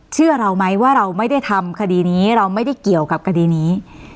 เชื่อเราไหมว่าเราไม่ได้ทำคดีนี้เราไม่ได้เกี่ยวกับคดีนี้